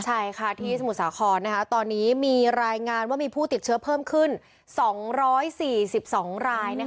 ใช่ค่ะที่สมุทรสาครตอนนี้มีรายงานว่ามีผู้ติดเชื้อเพิ่มขึ้น๒๔๒ราย